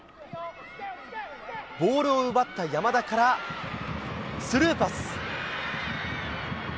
ボールを奪った山田からスルーパス。